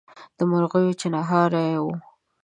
د مرغیو چڼهار وو